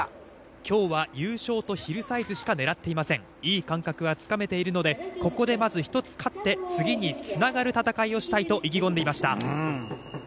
今日は優勝とヒルサイズしか狙っていません、いい感覚はつかめているので、ここでまず一つ勝って次につながる戦いをしたいと意気込んでいました。